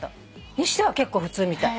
西では結構普通みたい。